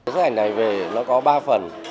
dấu ấn này về nó có ba phần